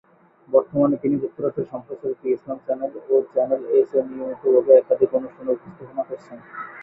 বর্তমানে তিনি যুক্তরাজ্যে সম্প্রচারিত ইসলাম চ্যানেল ও চ্যানেল এস-এ নিয়মিত ভাবে একাধিক অনুষ্ঠানে উপস্থাপনা করছেন।